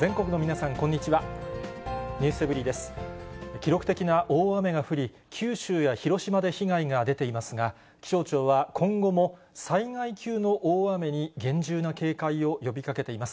記録的な大雨が降り、九州や広島で被害が出ていますが、気象庁は今後も、災害級の大雨に厳重な警戒を呼びかけています。